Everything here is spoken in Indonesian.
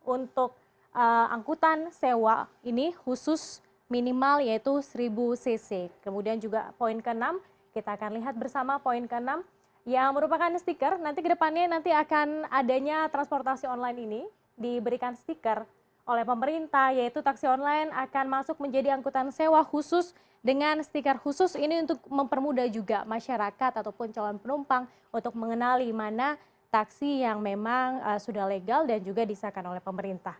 untuk angkutan sewa ini khusus minimal yaitu seribu cc kemudian juga poin ke enam kita akan lihat bersama poin ke enam yang merupakan stiker nanti kedepannya nanti akan adanya transportasi online ini diberikan stiker oleh pemerintah yaitu taksi online akan masuk menjadi angkutan sewa khusus dengan stiker khusus ini untuk mempermudah juga masyarakat ataupun calon penumpang untuk mengenali mana taksi yang memang sudah legal dan juga disesuaikan oleh pemerintah